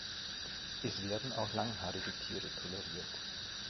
Es werden auch langhaarige Tiere toleriert.